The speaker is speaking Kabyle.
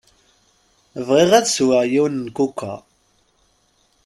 Bɣiɣ ad sweɣ yiwen n kuka.